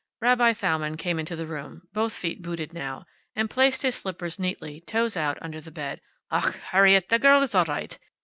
Rabbi Thalmann came into the room, both feet booted now, and placed his slippers neatly, toes out, under the bed. "Ach, Harriet, the girl is all right.